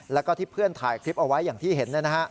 แล้วก็ที่เพื่อนถ่ายคลิปเอาไว้อย่างที่เห็น